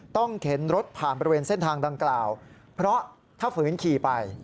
เข็นรถผ่านบริเวณเส้นทางดังกล่าวเพราะถ้าฝืนขี่ไป